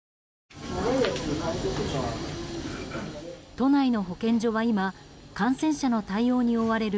都内の保健所は今感染者の対応に追われる